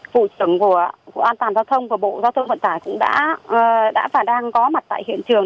phụ trưởng của cục an toàn giao thông của bộ giao thông vận tải cũng đã và đang có mặt tại hiện trường